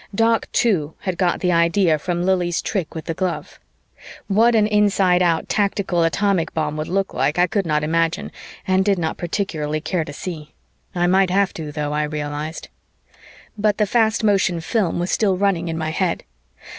Doc too had got the idea from Lili's trick with the glove. What an inside out tactical atomic bomb would look like, I could not imagine and did not particularly care to see. I might have to, though, I realized. But the fast motion film was still running in my head.